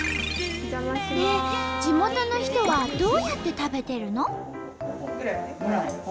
で地元の人はどうやって食べてるの？